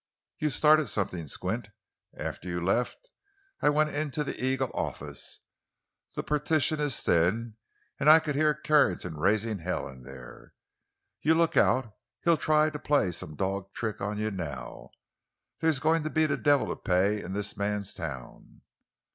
"You've started something, Squint. After you left I went into the Eagle office. The partition is thin, and I could hear Carrington raising hell in there. You look out; he'll try to play some dog's trick on you now! There's going to be the devil to pay in this man's town!"